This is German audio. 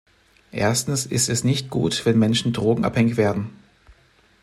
Erstens ist es nicht gut, wenn Menschen drogenabhängig werden.